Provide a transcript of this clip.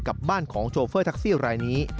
กับบ้านของโชเฟอร์แท็กซี่รายนี้